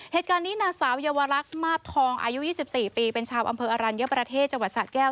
เหตุการณ์นี้นางสาวเยาวรักษ์มาสทองอายุ๒๔ปีเป็นชาวอำเภออรัญญประเทศจังหวัดสะแก้ว